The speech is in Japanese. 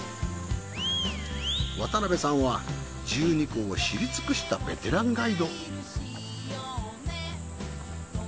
渡邊さんは十二湖を知り尽くしたベテランガイド。